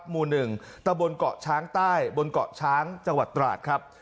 หมู่๑ตะบนเกาะช้างใต้บนเกาะช้างจังหวัดตราดครับ